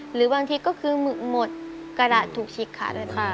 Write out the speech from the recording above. หรือบางทีก็คือหมึกหมดกระดะถูกฉีกค่ะได้ป่ะ